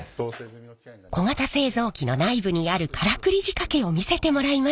小型製造機の内部にあるカラクリ仕掛けを見せてもらいました。